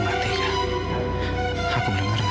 enggak lebih baik aku gak melihat wajahnya